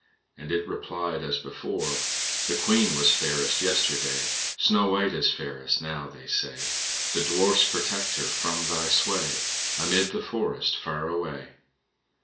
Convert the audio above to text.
and it replied as before: "The Queen was fairest yesterday; Snow White is fairest now, they say. The Dwarfs protect her from thy sway Amid the forest, far away."